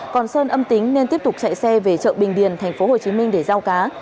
còn sơn âm tính nên tiếp tục chạy xe về chợ bình điền thành phố hồ chí minh để giao cá